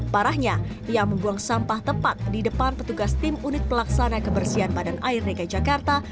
parahnya ia membuang sampah tepat di depan petugas tim unit pelaksana kebersihan badan air dki jakarta